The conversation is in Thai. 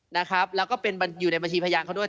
นะครับแล้วก็เป็นอยู่ในบัญชีพยานเขาด้วย